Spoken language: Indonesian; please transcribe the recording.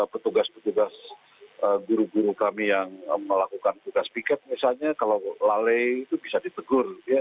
petugas petugas guru guru kami yang melakukan tugas piket misalnya kalau lalai itu bisa ditegur